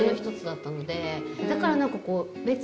だから何かこう別に。